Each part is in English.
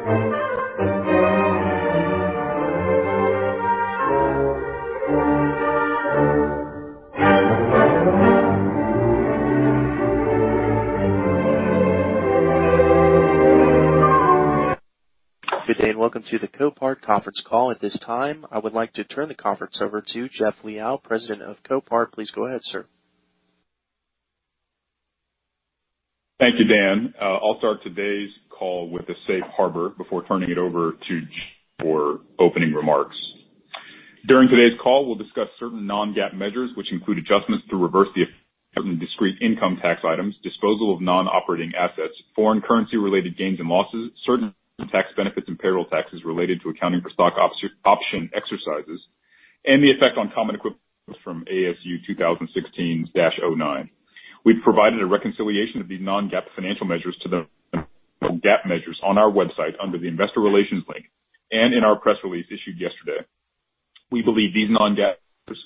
Good day, and welcome to the Copart conference call. At this time, I would like to turn the conference over to Jeff Liaw, President of Copart. Please go ahead, sir. Thank you, Dan. I'll start today's call with the safe harbor before turning it over to Jay for opening remarks. During today's call, we'll discuss certain non-GAAP measures, which include adjustments to reverse the effect of certain discrete income tax items, disposal of non-operating assets, foreign currency-related gains and losses, certain tax benefits and payroll taxes related to accounting for stock option exercises, and the effect on common equity from ASU 2016-09. We've provided a reconciliation of these non-GAAP financial measures to the GAAP measures on our website under the Investor Relations link and in our press release issued yesterday. We believe these non-GAAP measures,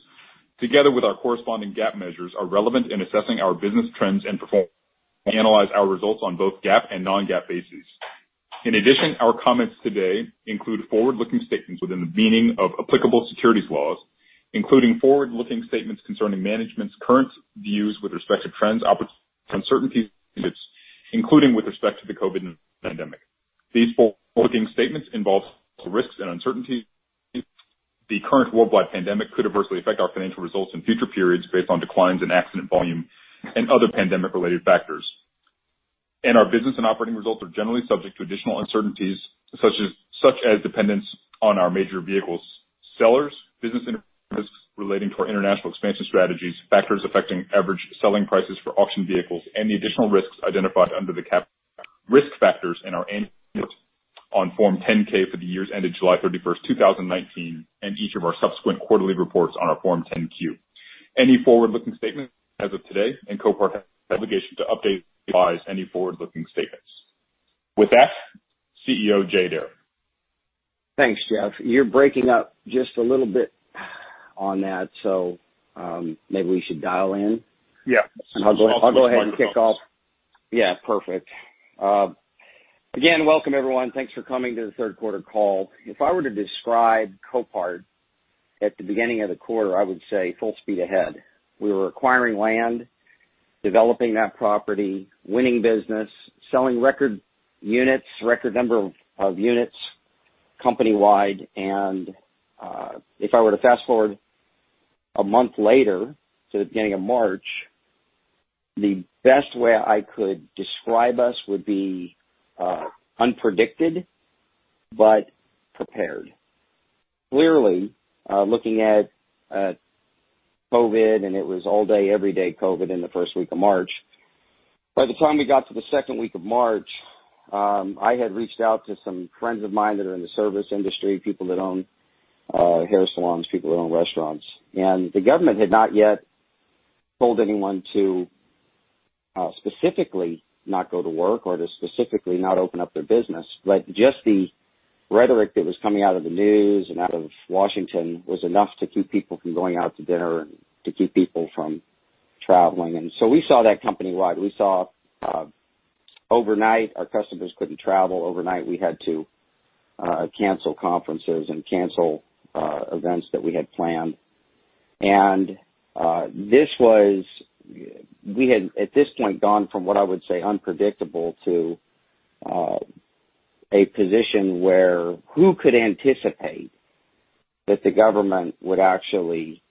together with our corresponding GAAP measures, are relevant in assessing our business trends and performance. Analyze our results on both GAAP and non-GAAP bases. In addition, our comments today include forward-looking statements within the meaning of applicable securities laws, including forward-looking statements concerning management's current views with respect to trends, opportunities, uncertainties, and risks, including with respect to the COVID-19 pandemic. These forward-looking statements involve risks and uncertainties. The current worldwide pandemic could adversely affect our financial results in future periods based on declines in accident volume and other pandemic-related factors. Our business and operating results are generally subject to additional uncertainties such as dependence on our major vehicles sellers, business interests relating to our international expansion strategies, factors affecting average selling prices for auction vehicles, and the additional risks identified under the caption Risk Factors in our annual report on Form 10-K for the years ended July 31, 2019, and each of our subsequent quarterly reports on our Form 10-Q. Any forward-looking statements as of today, and Copart has no obligation to update or revise any forward-looking statements. With that, CEO Jay Adair. Thanks, Jeff. You're breaking up just a little bit on that, so, maybe we should dial in. Yeah. I'll go ahead and kick off. Yeah, perfect. Again, welcome, everyone. Thanks for coming to the third quarter call. If I were to describe Copart at the beginning of the quarter, I would say full speed ahead. We were acquiring land, developing that property, winning business, selling record units, record number of units company-wide. If I were to fast-forward a month later to the beginning of March, the best way I could describe us would be unpredicted but prepared. Clearly, looking at COVID-19, and it was all day, every day COVID-19 in the first week of March. By the time we got to the second week of March, I had reached out to some friends of mine that are in the service industry, people that own hair salons, people that own restaurants. The government had not yet told anyone to specifically not go to work or to specifically not open up their business. Just the rhetoric that was coming out of the news and out of Washington was enough to keep people from going out to dinner and to keep people from traveling. We saw that company-wide. We saw overnight our customers couldn't travel. Overnight, we had to cancel conferences and cancel events that we had planned. We had, at this point, gone from what I would say unpredictable to a position where, who could anticipate that the government would actually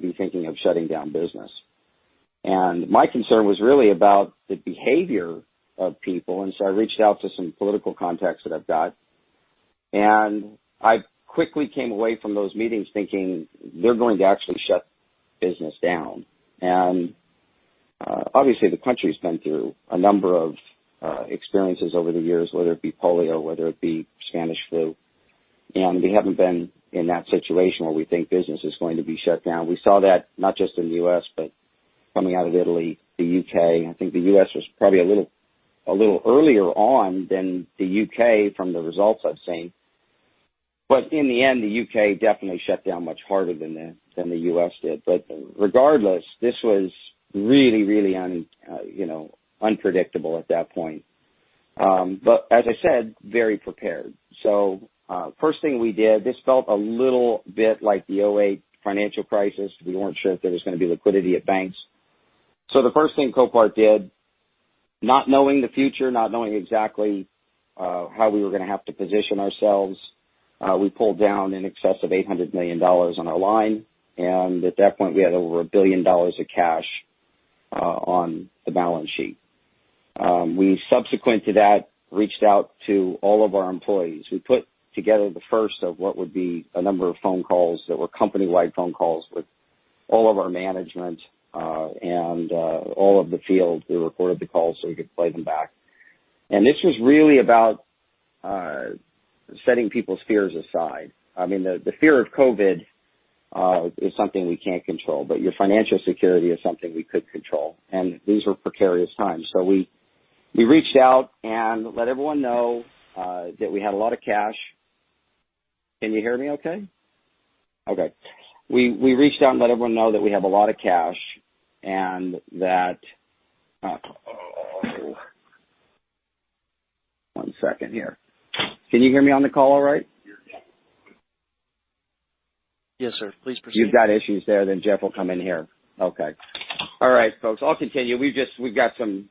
be thinking of shutting down business? My concern was really about the behavior of people. I reached out to some political contacts that I've got, and I quickly came away from those meetings thinking they're going to actually shut business down. Obviously, the country's been through a number of experiences over the years, whether it be polio, whether it be Spanish flu. We haven't been in that situation where we think business is going to be shut down. We saw that not just in the U.S., but coming out of Italy, the U.K. I think the U.S. was probably a little earlier on than the U.K. from the results I've seen. In the end, the U.K. definitely shut down much harder than the U.S. did. Regardless, this was really unpredictable at that point. As I said, very prepared. First thing we did, this felt a little bit like the '08 financial crisis. We weren't sure if there was going to be liquidity at banks. The first thing Copart did, not knowing the future, not knowing exactly how we were going to have to position ourselves, we pulled down in excess of $800 million on our line, and at that point, we had over $1 billion of cash on the balance sheet. We subsequent to that, reached out to all of our employees. We put together the first of what would be a number of phone calls that were company-wide phone calls with all of our management, and all of the field. We recorded the calls so we could play them back. This was really about setting people's fears aside. I mean, the fear of COVID is something we can't control, but your financial security is something we could control, and these were precarious times. We reached out and let everyone know that we have a lot of cash and that. One second here. Can you hear me on the call all right? Yes, sir. Please proceed. You've got issues there. Jeff will come in here. Okay. All right, folks. I'll continue. Jeff and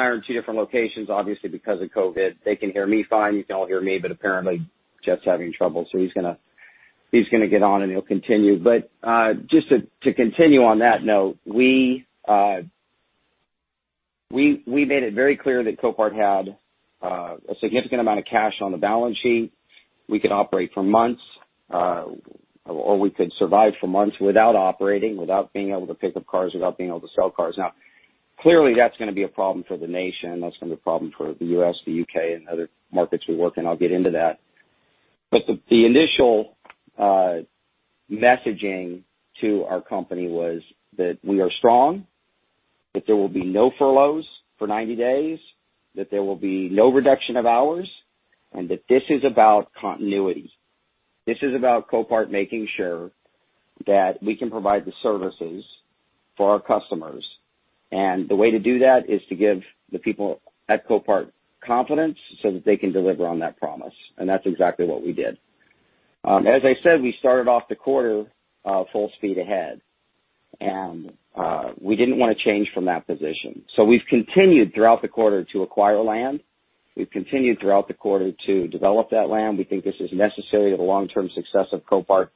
I are in two different locations, obviously, because of COVID-19. They can hear me fine. You can all hear me, but apparently Jeff's having trouble, so he's going to get on, and he'll continue. Just to continue on that note, we made it very clear that Copart had a significant amount of cash on the balance sheet. We could operate for months, or we could survive for months without operating, without being able to pick up cars, without being able to sell cars. Clearly, that's going to be a problem for the nation. That's going to be a problem for the U.S., the U.K., and other markets we work in. I'll get into that. The initial messaging to our company was that we are strong, that there will be no furloughs for 90 days, that there will be no reduction of hours, and that this is about continuity. This is about Copart making sure that we can provide the services for our customers. The way to do that is to give the people at Copart confidence so that they can deliver on that promise. That's exactly what we did. As I said, we started off the quarter full speed ahead, and we didn't want to change from that position. We've continued throughout the quarter to acquire land. We've continued throughout the quarter to develop that land. We think this is necessary to the long-term success of Copart.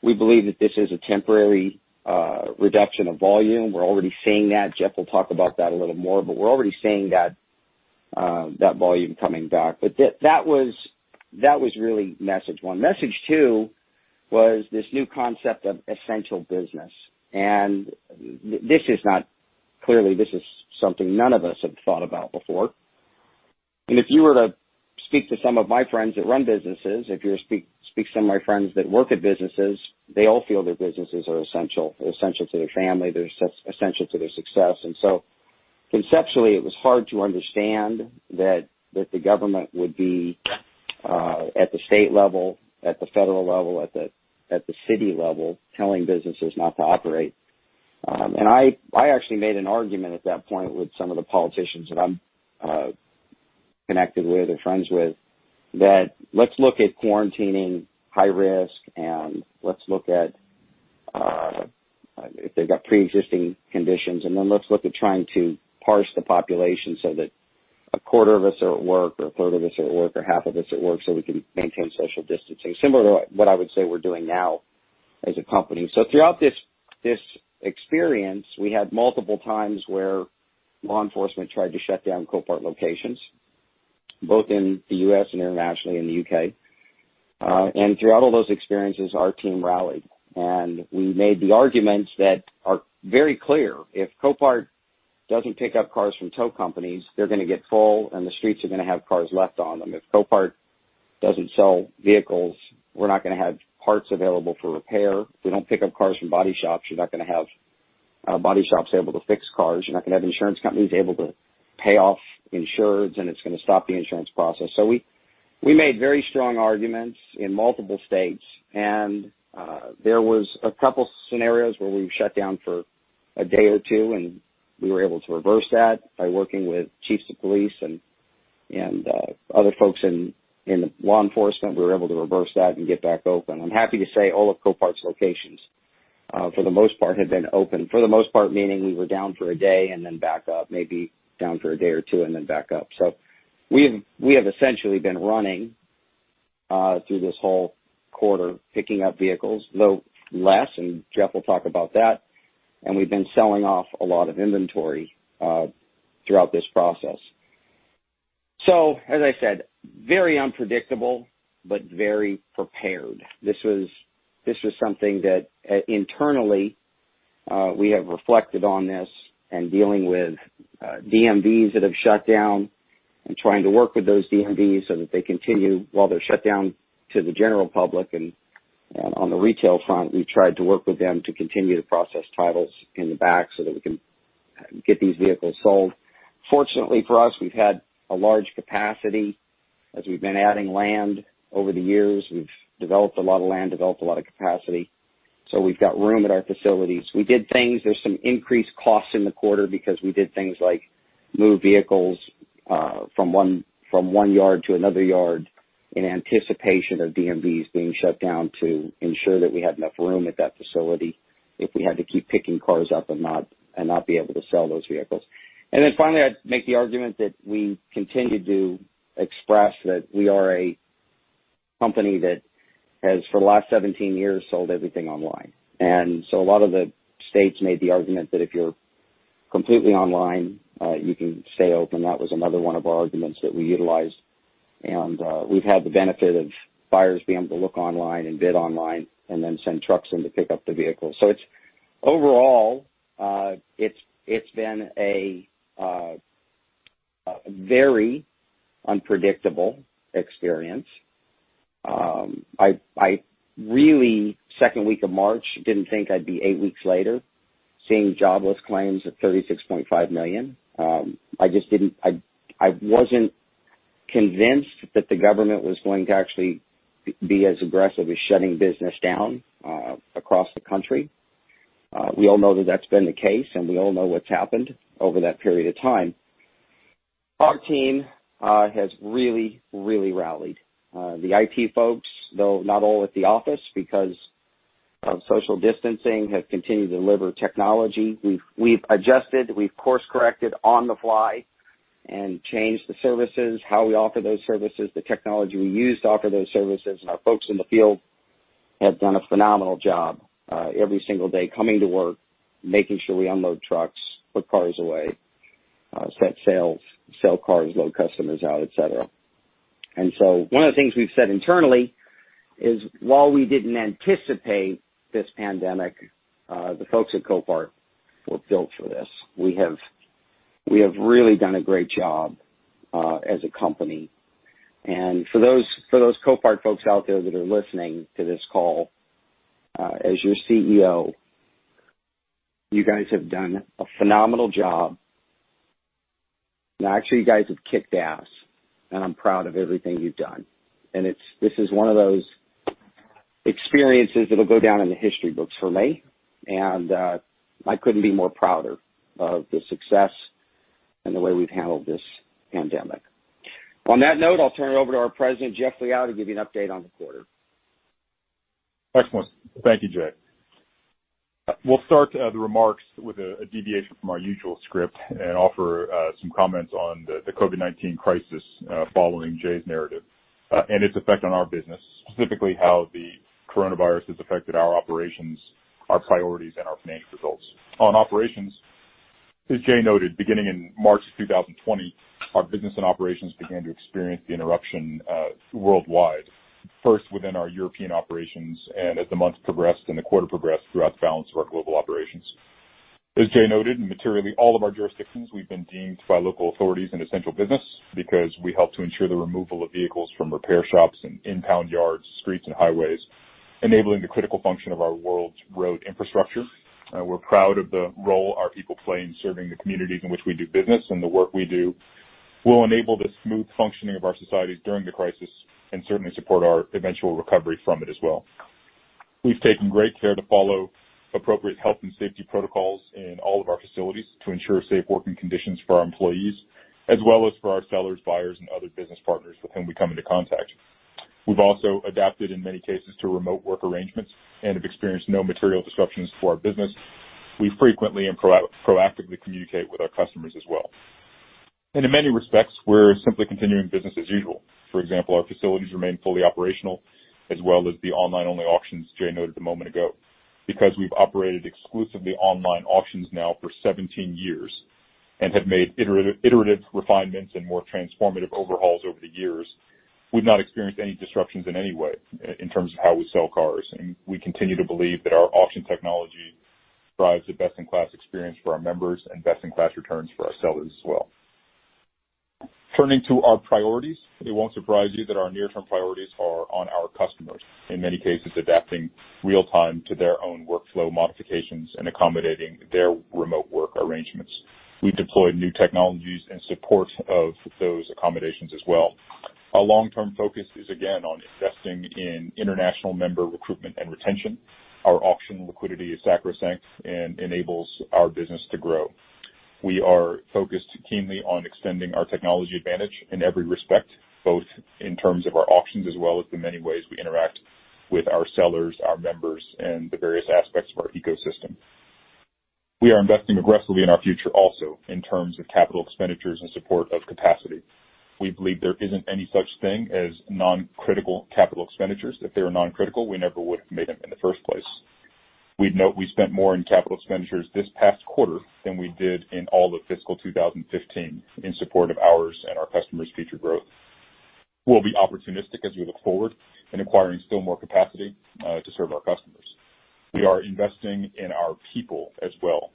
We believe that this is a temporary reduction of volume. We're already seeing that. Jeff will talk about that a little more, but we're already seeing that volume coming back. That was really message one. Message two was this new concept of essential business. Clearly, this is something none of us have thought about before. If you were to speak to some of my friends that run businesses, if you were to speak to some of my friends that work at businesses, they all feel their businesses are essential. They're essential to their family. They're essential to their success. Conceptually, it was hard to understand that the government would be at the state level, at the federal level, at the city level, telling businesses not to operate. I actually made an argument at that point with some of the politicians that I'm connected with or friends with that let's look at quarantining high risk, and let's look at if they've got preexisting conditions, and then let's look at trying to parse the population so that a quarter of us are at work or a third of us are at work or half of us at work so we can maintain social distancing. Similar to what I would say we're doing now as a company. Throughout this experience, we had multiple times where law enforcement tried to shut down Copart locations, both in the U.S. and internationally in the U.K. Throughout all those experiences, our team rallied, and we made the arguments that are very clear. If Copart doesn't pick up cars from tow companies, they're going to get full, and the streets are going to have cars left on them. If Copart doesn't sell vehicles, we're not going to have parts available for repair. If we don't pick up cars from body shops, you're not going to have body shops able to fix cars. You're not going to have insurance companies able to pay off insureds, and it's going to stop the insurance process. We made very strong arguments in multiple states, and there was a couple scenarios where we were shut down for a day or two, and we were able to reverse that by working with chiefs of police and other folks in law enforcement. We were able to reverse that and get back open. I'm happy to say all of Copart's locations for the most part have been open. For the most part meaning we were down for a day and then back up, maybe down for a day or two and then back up. We have essentially been running through this whole quarter, picking up vehicles, though less, and Jeff will talk about that, and we've been selling off a lot of inventory throughout this process. As I said, very unpredictable but very prepared. This was something that internally we have reflected on this and dealing with DMVs that have shut down and trying to work with those DMVs so that they continue while they're shut down to the general public. On the retail front, we've tried to work with them to continue to process titles in the back so that we can get these vehicles sold. Fortunately for us, we've had a large capacity as we've been adding land over the years. We've developed a lot of land, developed a lot of capacity. We've got room at our facilities. There's some increased costs in the quarter because we did things like move vehicles from one yard to another yard in anticipation of DMVs being shut down to ensure that we had enough room at that facility if we had to keep picking cars up and not be able to sell those vehicles. Finally, I'd make the argument that we continue to express that we are a company that has, for the last 17 years, sold everything online. A lot of the states made the argument that if you're completely online, you can stay open. That was another one of our arguments that we utilized. we've had the benefit of buyers being able to look online and bid online and then send trucks in to pick up the vehicle. Overall, it's been a very unpredictable experience. I really, second week of March, didn't think I'd be eight weeks later seeing jobless claims of 36.5 million. I wasn't convinced that the government was going to actually be as aggressive as shutting business down across the country. We all know that's been the case, and we all know what's happened over that period of time. Our team has really, really rallied. The IT folks, though not all at the office because of social distancing, have continued to deliver technology. We've adjusted, we've course-corrected on the fly and changed the services, how we offer those services, the technology we use to offer those services, and our folks in the field have done a phenomenal job every single day coming to work, making sure we unload trucks, put cars away, set sales, sell cars, load customers out, et cetera. One of the things we've said internally is, while we didn't anticipate this pandemic, the folks at Copart were built for this. We have really done a great job as a company. For those Copart folks out there that are listening to this call, as your CEO, you guys have done a phenomenal job. No, actually, you guys have kicked ass, and I'm proud of everything you've done. This is one of those experiences that'll go down in the history books for me, and I couldn't be more prouder of the success and the way we've handled this pandemic. On that note, I'll turn it over to our president, Jeff Liaw, to give you an update on the quarter. Excellent. Thank you, Jay. We'll start the remarks with a deviation from our usual script and offer some comments on the COVID-19 crisis following Jay's narrative and its effect on our business, specifically how the coronavirus has affected our operations, our priorities, and our financial results. On operations, as Jay noted, beginning in March of 2020, our business and operations began to experience the interruption worldwide, first within our European operations, and as the months progressed and the quarter progressed, throughout the balance of our global operations. As Jay noted, in materially all of our jurisdictions, we've been deemed by local authorities an essential business because we help to ensure the removal of vehicles from repair shops and impound yards, streets, and highways, enabling the critical function of our world's road infrastructure. We're proud of the role our people play in serving the communities in which we do business, and the work we do will enable the smooth functioning of our society during the crisis and certainly support our eventual recovery from it as well. We've taken great care to follow appropriate health and safety protocols in all of our facilities to ensure safe working conditions for our employees as well as for our sellers, buyers, and other business partners with whom we come into contact. We've also adapted, in many cases, to remote work arrangements and have experienced no material disruptions to our business. We frequently and proactively communicate with our customers as well. In many respects, we're simply continuing business as usual. For example, our facilities remain fully operational, as well as the online-only auctions Jay noted a moment ago. Because we've operated exclusively online auctions now for 17 years and have made iterative refinements and more transformative overhauls over the years, we've not experienced any disruptions in any way in terms of how we sell cars. We continue to believe that our auction technology provides the best-in-class experience for our members and best-in-class returns for our sellers as well. Turning to our priorities, it won't surprise you that our near-term priorities are on our customers, in many cases adapting real time to their own workflow modifications and accommodating their remote work arrangements. We deployed new technologies in support of those accommodations as well. Our long-term focus is, again, on investing in international member recruitment and retention. Our auction liquidity is sacrosanct and enables our business to grow. We are focused keenly on extending our technology advantage in every respect, both in terms of our auctions as well as the many ways we interact with our sellers, our members, and the various aspects of our ecosystem. We are investing aggressively in our future also in terms of capital expenditures in support of capacity. We believe there isn't any such thing as non-critical capital expenditures. If they were non-critical, we never would have made them in the first place. We'd note we spent more in capital expenditures this past quarter than we did in all of fiscal 2015 in support of ours and our customers' future growth. We'll be opportunistic as we look forward in acquiring still more capacity to serve our customers. We are investing in our people as well.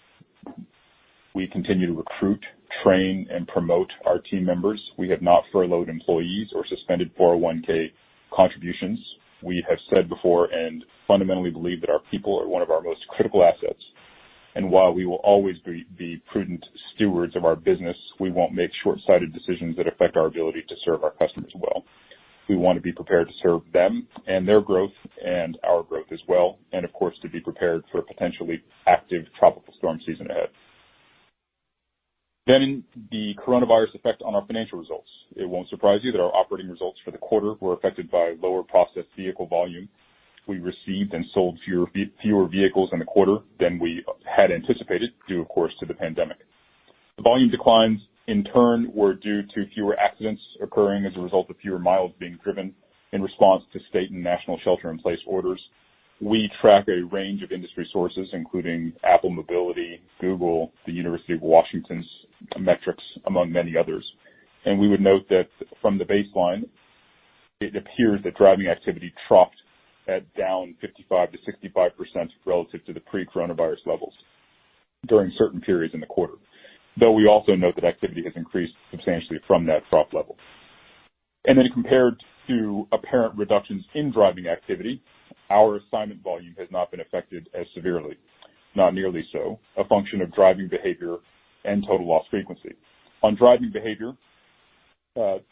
We continue to recruit, train, and promote our team members. We have not furloughed employees or suspended 401(k) contributions. We have said before and fundamentally believe that our people are one of our most critical assets, and while we will always be prudent stewards of our business, we won't make short-sighted decisions that affect our ability to serve our customers well. We want to be prepared to serve them and their growth and our growth as well, and of course, to be prepared for a potentially active tropical storm season ahead. The coronavirus effect on our financial results. It won't surprise you that our operating results for the quarter were affected by lower processed vehicle volume. We received and sold fewer vehicles in the quarter than we had anticipated due, of course, to the pandemic. The volume declines, in turn, were due to fewer accidents occurring as a result of fewer miles being driven in response to state and national shelter-in-place orders. We track a range of industry sources, including Apple Mobility, Google, the University of Washington's metrics, among many others. We would note that from the baseline, it appears that driving activity dropped at down 55%-65% relative to the pre-coronavirus levels during certain periods in the quarter, though we also note that activity has increased substantially from that trough level. Compared to apparent reductions in driving activity, our assignment volume has not been affected as severely, not nearly so, a function of driving behavior and total loss frequency. On driving behavior,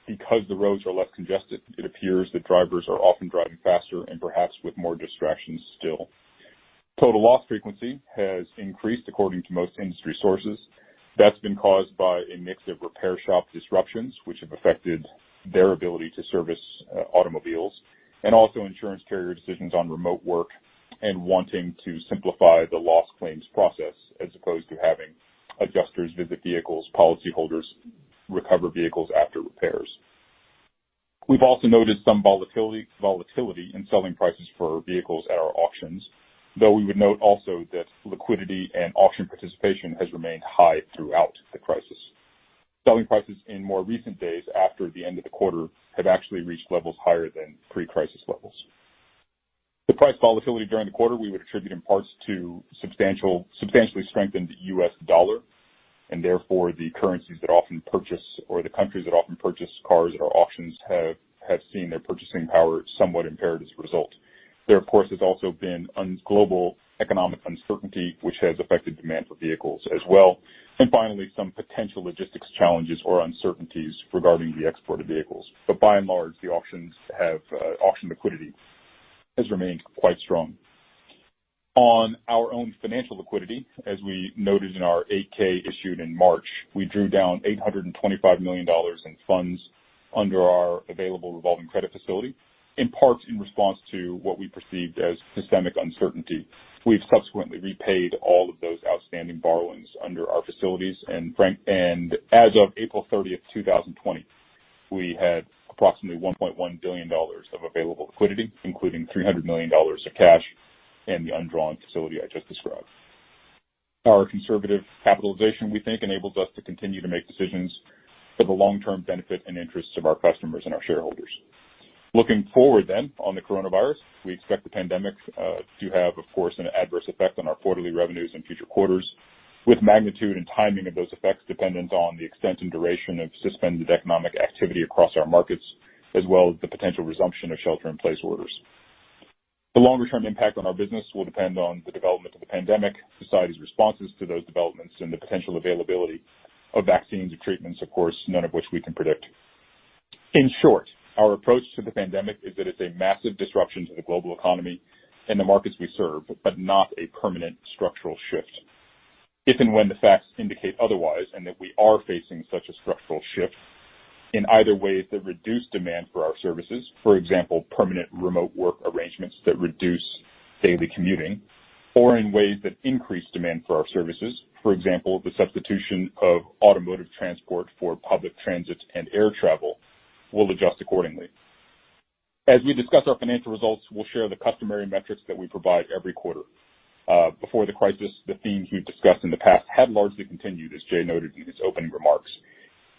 because the roads are less congested, it appears that drivers are often driving faster and perhaps with more distractions still. Total loss frequency has increased according to most industry sources. That's been caused by a mix of repair shop disruptions, which have affected their ability to service automobiles, and also insurance carrier decisions on remote work and wanting to simplify the loss claims process, as opposed to having adjusters visit vehicles, policyholders recover vehicles after repairs. We've also noted some volatility in selling prices for vehicles at our auctions, though we would note also that liquidity and auction participation has remained high throughout the crisis. Selling prices in more recent days, after the end of the quarter, have actually reached levels higher than pre-crisis levels. The price volatility during the quarter, we would attribute in parts to substantially strengthened U.S. dollar, and therefore, the currencies that often purchase or the countries that often purchase cars at our auctions have seen their purchasing power somewhat impaired as a result. There, of course, has also been global economic uncertainty, which has affected demand for vehicles as well. finally, some potential logistics challenges or uncertainties regarding the export of vehicles. by and large, the auction liquidity has remained quite strong. On our own financial liquidity, as we noted in our 8-K issued in March, we drew down $825 million in funds under our available revolving credit facility, in part, in response to what we perceived as systemic uncertainty. We've subsequently repaid all of those outstanding borrowings under our facilities. as of April 30th, 2020, we had approximately $1.1 billion of available liquidity, including $300 million of cash and the undrawn facility I just described. Our conservative capitalization, we think, enables us to continue to make decisions for the long-term benefit and interests of our customers and our shareholders. Looking forward on the coronavirus, we expect the pandemic to have, of course, an adverse effect on our quarterly revenues in future quarters, with magnitude and timing of those effects dependent on the extent and duration of suspended economic activity across our markets, as well as the potential resumption of shelter in place orders. The longer-term impact on our business will depend on the development of the pandemic, society's responses to those developments, and the potential availability of vaccines or treatments, of course, none of which we can predict. In short, our approach to the pandemic is that it's a massive disruption to the global economy and the markets we serve, but not a permanent structural shift. If and when the facts indicate otherwise, and that we are facing such a structural shift in either ways that reduce demand for our services, for example, permanent remote work arrangements that reduce daily commuting, or in ways that increase demand for our services, for example, the substitution of automotive transport for public transit and air travel will adjust accordingly. As we discuss our financial results, we'll share the customary metrics that we provide every quarter. Before the crisis, the themes we've discussed in the past have largely continued, as Jay noted in his opening remarks.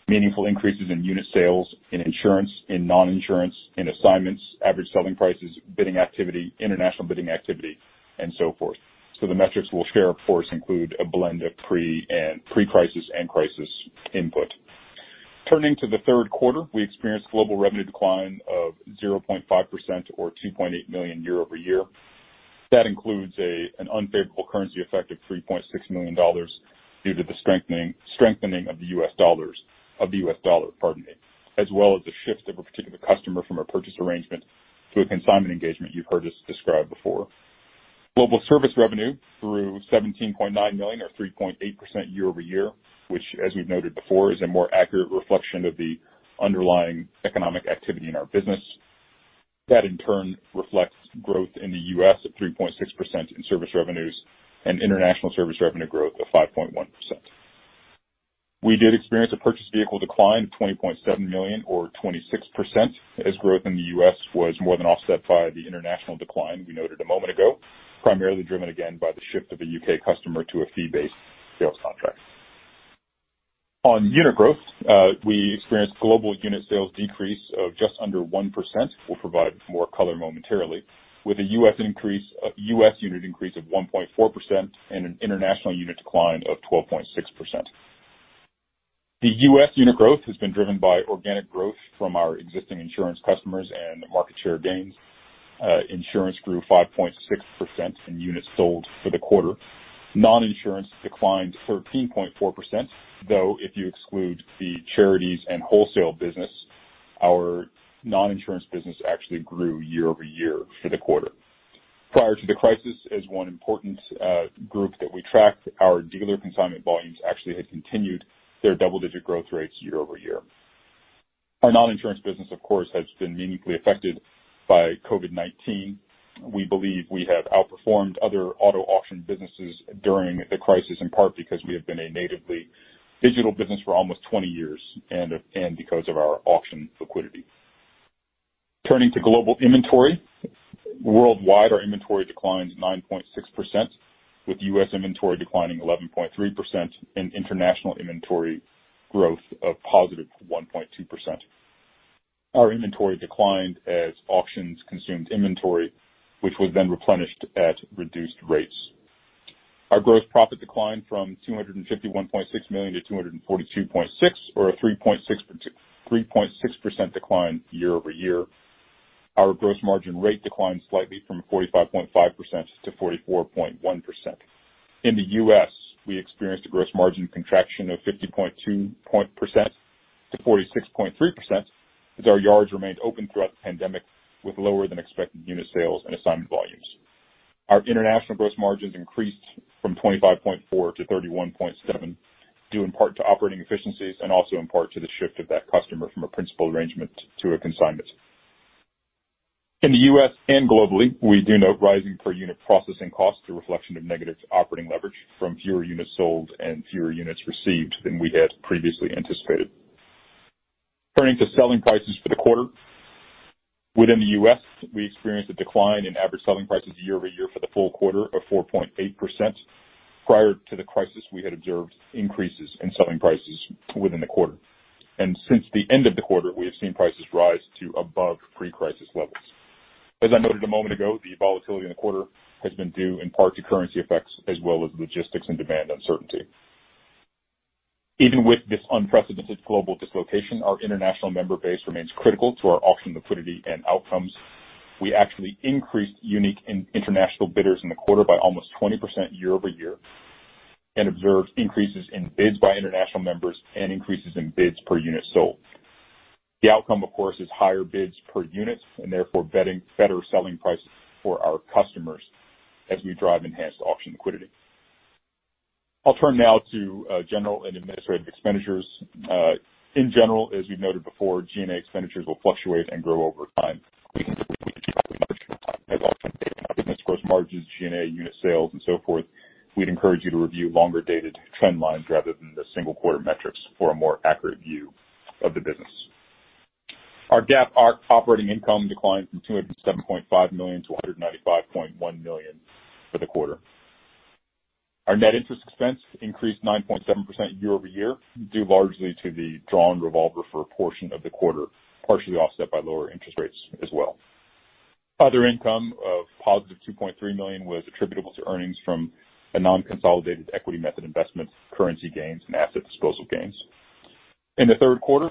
Meaningful increases in unit sales, in insurance, in non-insurance, in assignments, average selling prices, bidding activity, international bidding activity, and so forth. the metrics we'll share, of course, include a blend of pre-crisis and crisis input. Turning to the third quarter, we experienced global revenue decline of 0.5% or $2.8 million year-over-year. That includes an unfavorable currency effect of $3.6 million due to the strengthening of the U.S. dollars of the U.S. dollar, pardon me, as well as the shift of a particular customer from a purchase arrangement to a consignment engagement you've heard us describe before. Global service revenue through $17.9 million or 3.8% year-over-year, which, as we've noted before, is a more accurate reflection of the underlying economic activity in our business. That in turn reflects growth in the U.S. of 3.6% in service revenues and international service revenue growth of 5.1%. We did experience a purchased vehicle decline of $20.7 million or 26%, as growth in the U.S. was more than offset by the international decline we noted a moment ago, primarily driven again by the shift of a U.K. customer to a fee-based sales contract. On unit growth, we experienced global unit sales decrease of just under 1%. We'll provide more color momentarily. With a U.S. unit increase of 1.4% and an international unit decline of 12.6%. The U.S. unit growth has been driven by organic growth from our existing insurance customers and market share gains. Insurance grew 5.6% in units sold for the quarter. Non-insurance declined 13.4%, though if you exclude the charities and wholesale business, our non-insurance business actually grew year-over-year for the quarter. Prior to the crisis, as one important group that we tracked, our dealer consignment volumes actually had continued their double-digit growth rates year-over-year. Our non-insurance business, of course, has been meaningfully affected by COVID-19. We believe we have outperformed other auto auction businesses during the crisis, in part because we have been a natively digital business for almost 20 years and because of our auction liquidity. Turning to global inventory. Worldwide, our inventory declined 9.6%, with U.S. inventory declining 11.3% and international inventory growth of positive 1.2%. Our inventory declined as auctions consumed inventory, which was then replenished at reduced rates. Our gross profit declined from $251.6 million to $242.6 million, or a 3.6% decline year-over-year. Our gross margin rate declined slightly from 45.5% to 44.1%. In the U.S., we experienced a gross margin contraction of 50.2%-46.3% as our yards remained open throughout the pandemic with lower than expected unit sales and assignment volumes. Our international gross margins increased from 25.4%-31.7%, due in part to operating efficiencies and also in part to the shift of that customer from a principal arrangement to a consignment. In the U.S. and globally, we do note rising per unit processing costs, a reflection of negative operating leverage from fewer units sold and fewer units received than we had previously anticipated. Turning to selling prices for the quarter. Within the U.S., we experienced a decline in average selling prices year-over-year for the full quarter of 4.8%. Prior to the crisis, we had observed increases in selling prices within the quarter. Since the end of the quarter, we have seen prices rise to above pre-crisis levels. As I noted a moment ago, the volatility in the quarter has been due in part to currency effects as well as logistics and demand uncertainty. Even with this unprecedented global dislocation, our international member base remains critical to our auction liquidity and outcomes. We actually increased unique international bidders in the quarter by almost 20% year-over-year and observed increases in bids by international members and increases in bids per unit sold. The outcome, of course, is higher bids per unit and therefore better selling prices for our customers as we drive enhanced auction liquidity. I'll turn now to general and administrative expenditures. In general, as we've noted before, G&A expenditures will fluctuate and grow over time. We can certainly look at quarterly margins as well as trends in business gross margins, G&A, unit sales, and so forth. We'd encourage you to review longer-dated trend lines rather than the single quarter metrics for a more accurate view of the business. Our GAAP operating income declined from $207.5 million to $195.1 million for the quarter. Our net interest expense increased 9.7% year-over-year, due largely to the drawn revolver for a portion of the quarter, partially offset by lower interest rates as well. Other income of positive $2.3 million was attributable to earnings from a non-consolidated equity method investment, currency gains, and asset disposal gains. In the third quarter,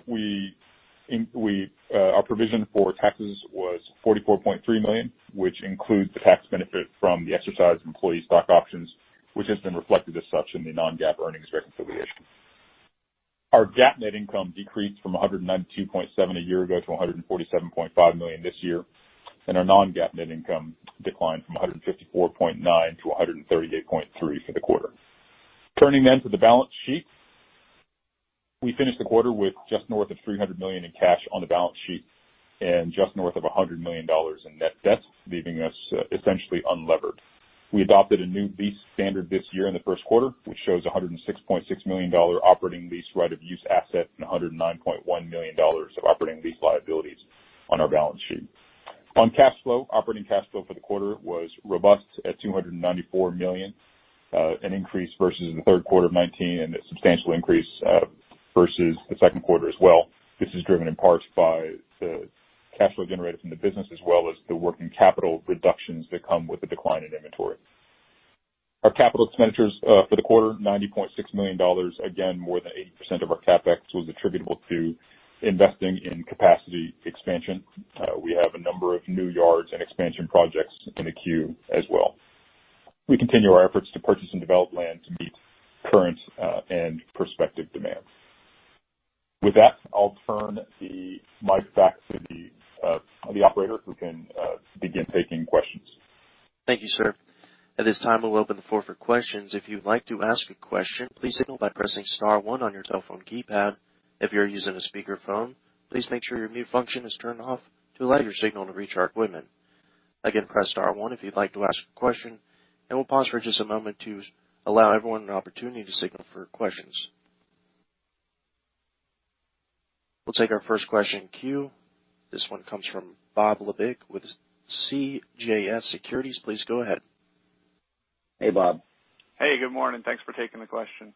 our provision for taxes was $44.3 million, which includes the tax benefit from the exercised employee stock options, which has been reflected as such in the non-GAAP earnings reconciliation. Our GAAP net income decreased from $192.7 million a year ago to $147.5 million this year, and our non-GAAP net income declined from $154.9 million to $138.3 million for the quarter. Turning to the balance sheet. We finished the quarter with just north of $300 million in cash on the balance sheet and just north of $100 million in net debt, leaving us essentially unlevered. We adopted a new lease standard this year in the first quarter, which shows $106.6 million operating lease right-of-use asset and $109.1 million of operating lease liabilities on our balance sheet. On cash flow, operating cash flow for the quarter was robust at $294 million, an increase versus the third quarter of 2019 and a substantial increase versus the second quarter as well. This is driven in part by the cash flow generated from the business as well as the working capital reductions that come with the decline in inventory. Our capital expenditures for the quarter, $90.6 million. Again, more than 80% of our CapEx was attributable to investing in capacity expansion. We have a number of new yards and expansion projects in the queue as well. We continue our efforts to purchase and develop land to meet current and prospective demand. With that, I'll turn the mic back to the operator who can begin taking questions. Thank you, sir. At this time, we'll open the floor for questions. If you'd like to ask a question, please signal by pressing star one on your telephone keypad. If you're using a speakerphone, please make sure your mute function is turned off to allow your signal to reach our equipment. Again, press star one if you'd like to ask a question, and we'll pause for just a moment to allow everyone an opportunity to signal for questions. We'll take our first question in queue. This one comes from Bob Labick with CJS Securities. Please go ahead. Hey, Bob. Hey, good morning. Thanks for taking the question.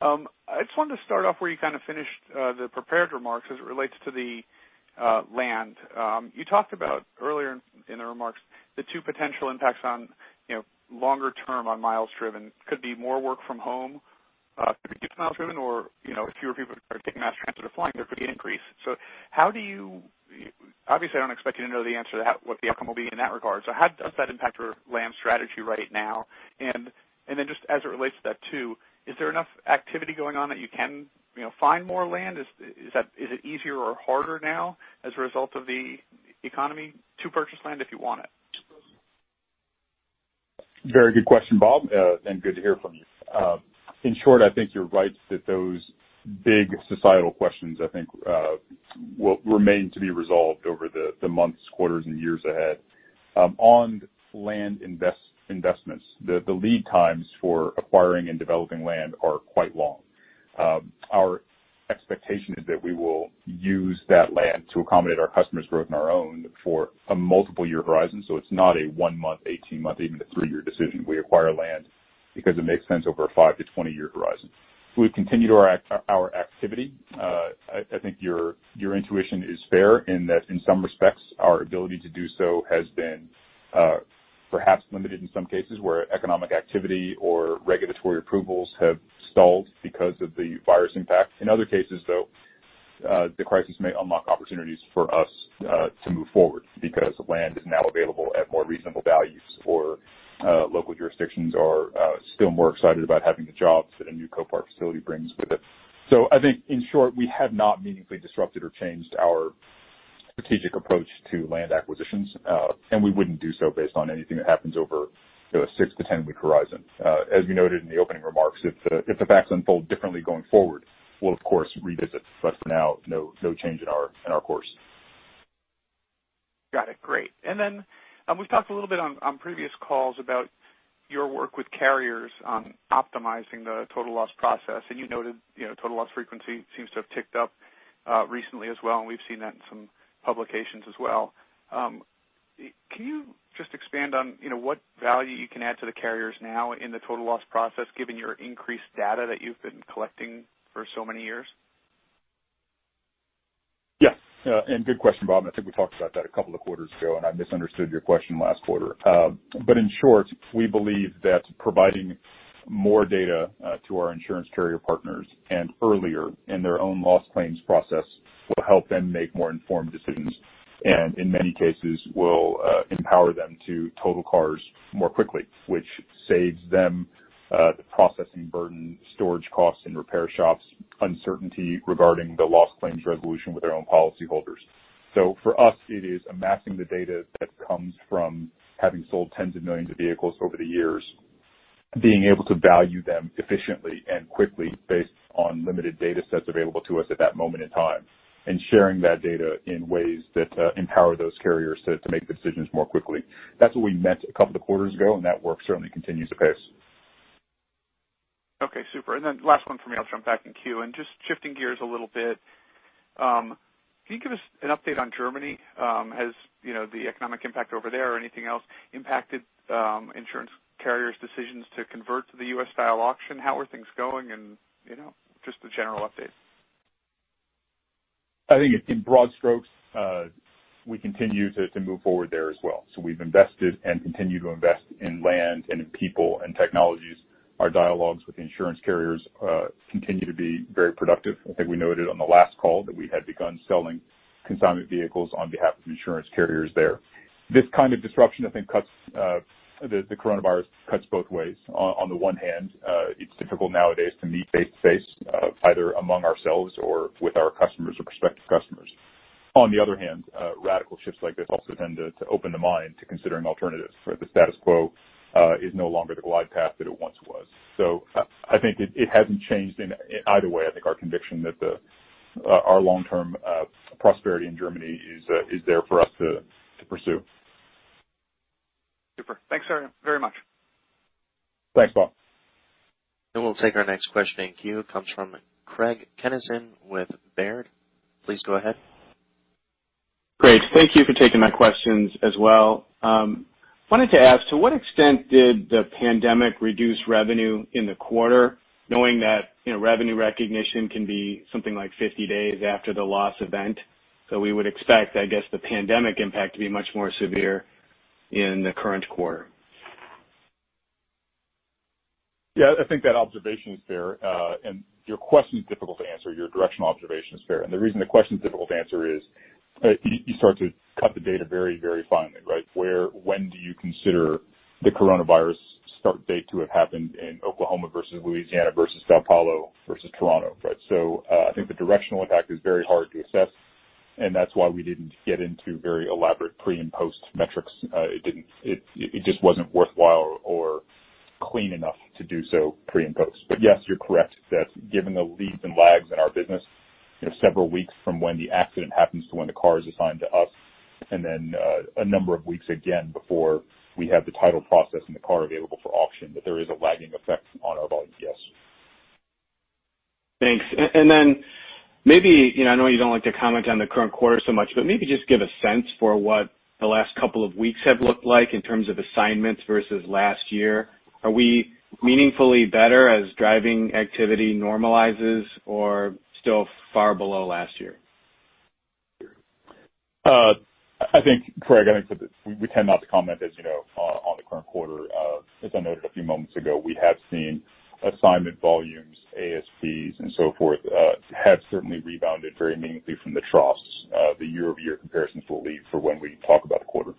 I just wanted to start off where you kind of finished the prepared remarks as it relates to the land. You talked about earlier in the remarks the two potential impacts on longer term on miles driven. Could be more work from home could reduce miles driven or if fewer people are taking mass transit or flying, there could be an increase. Obviously, I don't expect you to know the answer to that, what the outcome will be in that regard. How does that impact your land strategy right now? Just as it relates to that too, is there enough activity going on that you can find more land? Is it easier or harder now as a result of the economy to purchase land if you want it? Very good question, Bob, and good to hear from you. In short, I think you're right that those big societal questions, I think, will remain to be resolved over the months, quarters, and years ahead. On land investments, the lead times for acquiring and developing land are quite long. Our expectation is that we will use that land to accommodate our customers' growth and our own for a multiple year horizon. It's not a one-month, 18-month, even a three-year decision. We acquire land because it makes sense over a 5 to 20-year horizon. We've continued our activity. I think your intuition is fair in that, in some respects, our ability to do so has been perhaps limited in some cases where economic activity or regulatory approvals have stalled because of the virus impact. In other cases, though, the crisis may unlock opportunities for us to move forward because land is now available at more reasonable values, or local jurisdictions are still more excited about having the jobs that a new Copart facility brings with it. I think, in short, we have not meaningfully disrupted or changed our strategic approach to land acquisitions. we wouldn't do so based on anything that happens over a six to 10-week horizon. As we noted in the opening remarks, if the facts unfold differently going forward, we'll of course revisit. for now, no change in our course. Got it. Great. We've talked a little bit on previous calls about your work with carriers on optimizing the total loss process. You noted total loss frequency seems to have ticked up recently as well, and we've seen that in some publications as well. Can you just expand on what value you can add to the carriers now in the total loss process, given your increased data that you've been collecting for so many years? Yeah. good question, Bob. I think we talked about that a couple of quarters ago, and I misunderstood your question last quarter. in short, we believe that providing more data to our insurance carrier partners and earlier in their own loss claims process will help them make more informed decisions, and in many cases, will empower them to total cars more quickly, which saves them the processing burden, storage costs in repair shops, uncertainty regarding the loss claims resolution with their own policy holders. for us, it is amassing the data that comes from having sold tens of millions of vehicles over the years, being able to value them efficiently and quickly based on limited data sets available to us at that moment in time, and sharing that data in ways that empower those carriers to make the decisions more quickly. That's what we meant a couple of quarters ago, and that work certainly continues apace. Okay, super. Last one from me, I'll jump back in queue. Just shifting gears a little bit, can you give us an update on Germany? Has the economic impact over there or anything else impacted insurance carriers' decisions to convert to the U.S.-style auction? How are things going? Just a general update. I think in broad strokes, we continue to move forward there as well. We've invested and continue to invest in land and in people and technologies. Our dialogues with insurance carriers continue to be very productive. I think we noted on the last call that we had begun selling consignment vehicles on behalf of insurance carriers there. This kind of disruption, I think, the coronavirus cuts both ways. On the one hand, it's difficult nowadays to meet face-to-face, either among ourselves or with our customers or prospective customers. On the other hand, radical shifts like this also tend to open the mind to considering alternatives, for the status quo is no longer the glide path that it once was. I think it hasn't changed in either way. I think our conviction that our long-term prosperity in Germany is there for us to pursue. Super. Thanks very much. Thanks, Bob. We'll take our next question in queue. It comes from Craig Kennison with Baird. Please go ahead. Great. Thank you for taking my questions as well. Wanted to ask, to what extent did the pandemic reduce revenue in the quarter, knowing that revenue recognition can be something like 50 days after the loss event? We would expect, I guess, the pandemic impact to be much more severe in the current quarter. Yeah, I think that observation is fair. Your question's difficult to answer. Your directional observation is fair. The reason the question's difficult to answer is you start to cut the data very finely, right? I think the directional impact is very hard to assess, and that's why we didn't get into very elaborate pre- and post-metrics. It just wasn't worthwhile or clean enough to do so pre- and post. Yes, you're correct that given the leads and lags in our business, several weeks from when the accident happens to when the car is assigned to us and then a number of weeks again before we have the title process and the car available for auction, that there is a lagging effect on our volume. Yes. Thanks. then maybe, I know you don't like to comment on the current quarter so much, but maybe just give a sense for what the last couple of weeks have looked like in terms of assignments versus last year. Are we meaningfully better as driving activity normalizes or still far below last year? I think, Craig, I think we tend not to comment, as you know, on the current quarter. As I noted a few moments ago, we have seen assignment volumes, ASPs, and so forth have certainly rebounded very meaningfully from the troughs. The year-over-year comparisons we'll leave for when we talk about the quarter.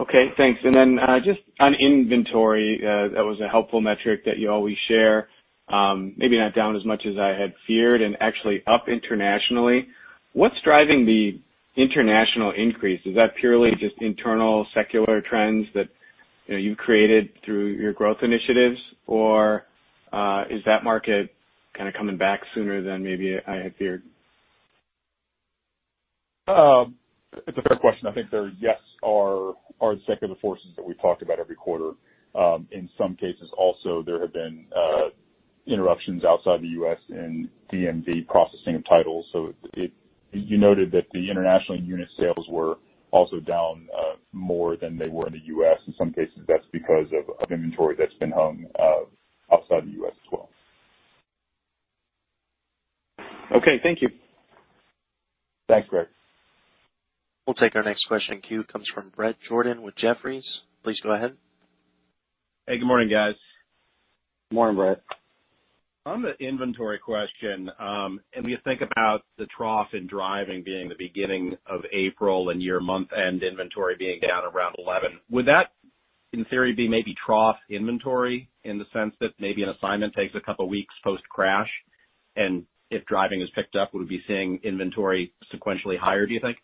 Okay, thanks. Just on inventory, that was a helpful metric that you always share. Maybe not down as much as I had feared and actually up internationally. What's driving the international increase? Is that purely just internal secular trends that you've created through your growth initiatives, or is that market kind of coming back sooner than maybe I had feared? It's a fair question. I think there, yes, are secular forces that we talk about every quarter. In some cases also, there have been interruptions outside the U.S. in DMV processing of titles. You noted that the international unit sales were also down more than they were in the U.S. In some cases, that's because of inventory that's been hung outside the U.S. as well. Okay. Thank you. Thanks, Craig. We'll take our next question. Queue comes from Bret Jordan with Jefferies. Please go ahead. Hey, good morning, guys. Morning, Bret. On the inventory question, and we think about the trough in driving being the beginning of April and year month end inventory being down around 11. Would that, in theory, be maybe trough inventory in the sense that maybe an assignment takes a couple of weeks post-crash, and if driving is picked up, would we be seeing inventory sequentially higher, do you think?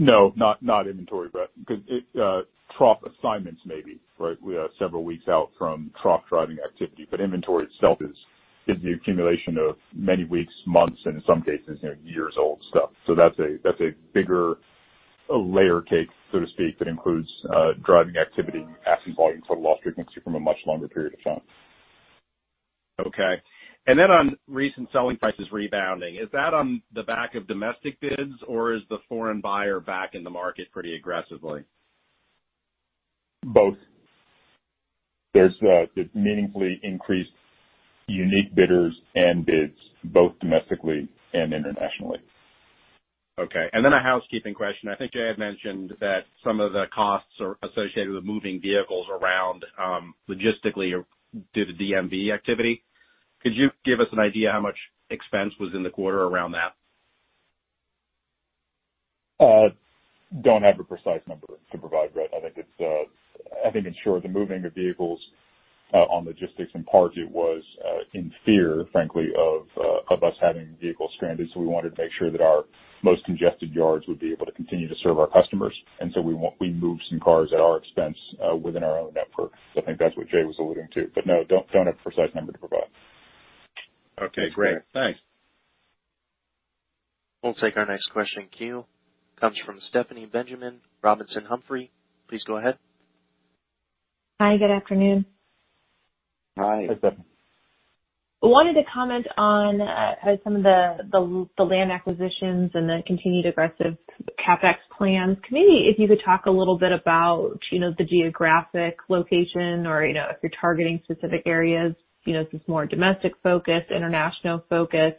No, not inventory, Bret. Because trough assignments maybe, right? We are several weeks out from trough driving activity, but inventory itself is the accumulation of many weeks, months, and in some cases, years old stuff. That's a bigger layer cake, so to speak, that includes driving activity and asset volume for loss frequency from a much longer period of time. Okay. On recent selling prices rebounding, is that on the back of domestic bids, or is the foreign buyer back in the market pretty aggressively? Both. There's meaningfully increased unique bidders and bids both domestically and internationally. Okay, a housekeeping question. I think Jay had mentioned that some of the costs are associated with moving vehicles around logistically due to DMV activity. Could you give us an idea how much expense was in the quarter around that? Don't have a precise number to provide, Bret. I think in short, the moving of vehicles on logistics, in part, it was in fear, frankly, of us having vehicles stranded. We wanted to make sure that our most congested yards would be able to continue to serve our customers. We moved some cars at our expense within our own network. I think that's what Jay was alluding to. No, don't have a precise number to provide. Okay, great. Thanks. We'll take our next question. Queue comes from Stephanie Benjamin, Robinson Humphrey. Please go ahead. Hi, good afternoon. Hi. Hey, Stephanie. I wanted to comment on some of the land acquisitions and the continued aggressive CapEx plans. Can maybe if you could talk a little bit about the geographic location or if you're targeting specific areas, is this more domestic-focused, international-focused?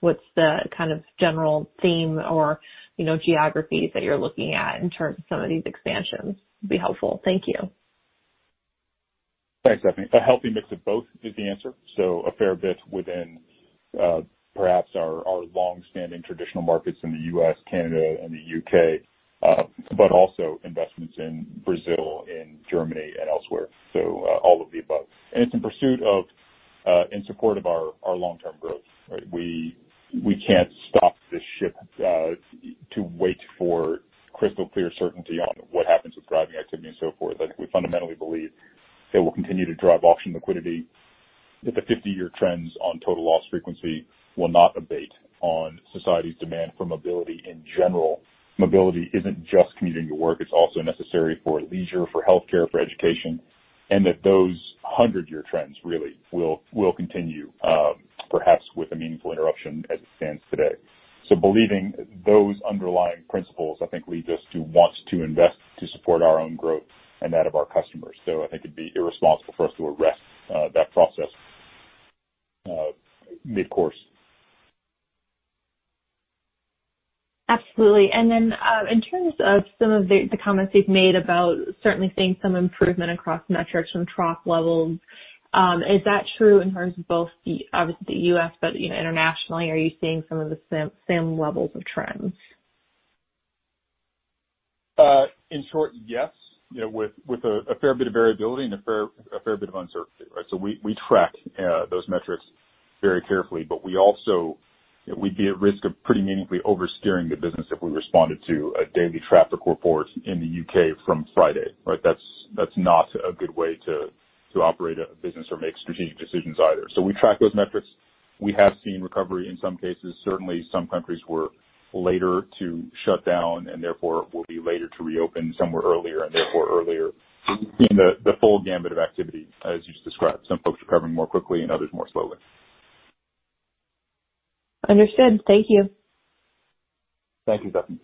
What's the kind of general theme or geographies that you're looking at in terms of some of these expansions would be helpful. Thank you. Thanks, Stephanie. A healthy mix of both is the answer. A fair bit within perhaps our long-standing traditional markets in the U.S., Canada, and the U.K., but also investments in Brazil, in Germany, and elsewhere. All of the above. It's in support of our long-term growth, right? We can't stop this ship to wait for crystal clear certainty on what happens with driving activity and so forth. I think we fundamentally believe it will continue to drive auction liquidity, that the 50-year trends on total loss frequency will not abate on society's demand for mobility in general. Mobility isn't just commuting to work, it's also necessary for leisure, for healthcare, for education, and that those 100-year trends really will continue, perhaps with a meaningful interruption as it stands today. Believing those underlying principles, I think leads us to want to invest to support our own growth and that of our customers. I think it'd be irresponsible for us to arrest that process mid-course. Absolutely. in terms of some of the comments you've made about certainly seeing some improvement across metrics and trough levels, is that true in terms of both the, obviously, the U.S., but internationally, are you seeing some of the same levels of trends? In short, yes, with a fair bit of variability and a fair bit of uncertainty, right? We track those metrics very carefully, but we'd be at risk of pretty meaningfully over-steering the business if we responded to a daily traffic report in the U.K. from Friday, right? That's not a good way to operate a business or make strategic decisions either. We track those metrics. We have seen recovery in some cases. Certainly, some countries were later to shut down and therefore will be later to reopen. Some were earlier and therefore earlier. We're seeing the full gamut of activity, as you just described. Some folks recovering more quickly and others more slowly. Understood. Thank you. Thank you, Stephanie.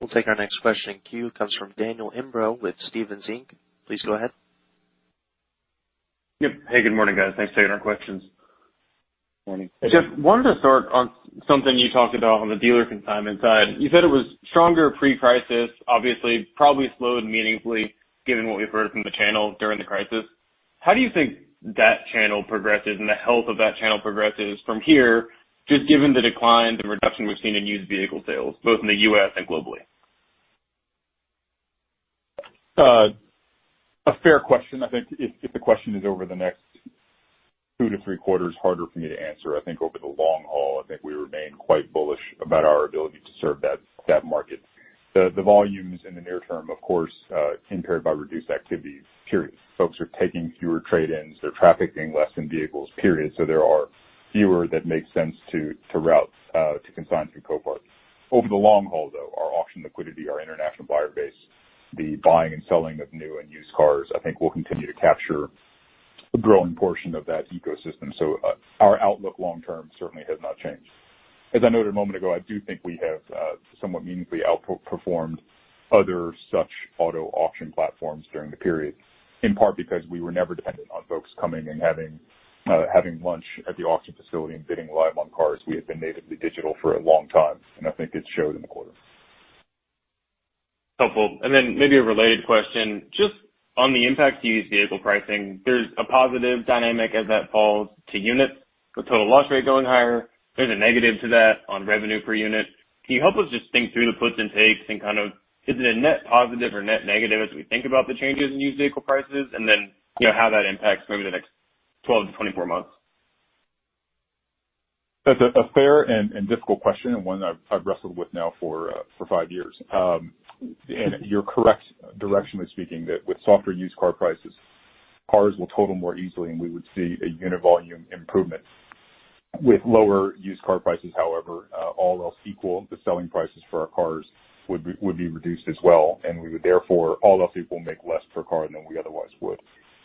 We'll take our next question. Queue comes from Daniel Imbro with Stephens Inc. Please go ahead. Yep. Hey, good morning, guys. Thanks for taking our questions. Morning. Jeff, wanted to start on something you talked about on the dealer consignment side. You said it was stronger pre-crisis, obviously, probably slowed meaningfully given what we've heard from the channel during the crisis. How do you think that channel progresses and the health of that channel progresses from here, just given the decline, the reduction we've seen in used vehicle sales, both in the U.S. and globally? A fair question. I think if the question is over the next two to three quarters, harder for me to answer. I think over the long haul, I think we remain quite bullish about our ability to serve that market. The volumes in the near term, of course, impaired by reduced activity, period. Folks are taking fewer trade-ins. They're trafficking less in vehicles, period. There are fewer that make sense to route to consign through Copart. Over the long haul, though, our auction liquidity, our international buyer base, the buying and selling of new and used cars, I think, will continue to capture a growing portion of that ecosystem. Our outlook long term certainly has not changed. As I noted a moment ago, I do think we have somewhat meaningfully outperformed other such auto auction platforms during the period, in part because we were never dependent on folks coming and having lunch at the auction facility and bidding live on cars. We have been natively digital for a long time, and I think it showed in the quarter. Helpful. then maybe a related question, just on the impact to used vehicle pricing, there's a positive dynamic as that falls to unit, the total loss rate going higher. There's a negative to that on revenue per unit. Can you help us just think through the puts and takes and kind of is it a net positive or net negative as we think about the changes in used vehicle prices and then how that impacts maybe the next 12 to 24 months? That's a fair and difficult question, and one that I've wrestled with now for five years. You're correct, directionally speaking, that with softer used car prices, cars will total more easily and we would see a unit volume improvement. With lower used car prices, however, all else equal, the selling prices for our cars would be reduced as well. We would therefore, all else equal, make less per car than we otherwise would.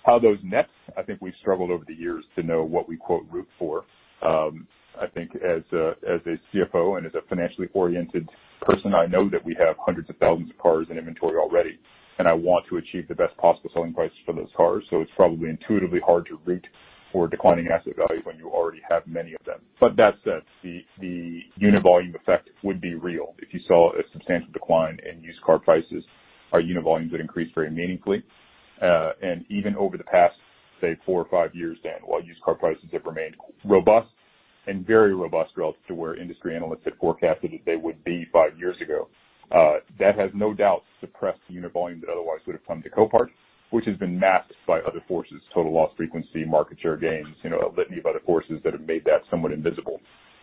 How those net, I think we've struggled over the years to know what we "root for." I think as a CFO and as a financially oriented person, I know that we have hundreds of thousands of cars in inventory already, and I want to achieve the best possible selling price for those cars. It's probably intuitively hard to root for declining asset value when you already have many of them. That said, the unit volume effect would be real if you saw a substantial decline in used car prices. Our unit volumes would increase very meaningfully. even over the past, say four or five years, Dan, while used car prices have remained robust and very robust relative to where industry analysts had forecasted that they would be five years ago. That has no doubt suppressed unit volume that otherwise would have come to Copart, which has been masked by other forces, total loss frequency, market share gains, a litany of other forces that have made that somewhat invisible.